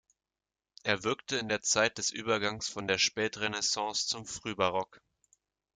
Er wirkte in der Zeit des Übergangs von der Spätrenaissance zum Frühbarock.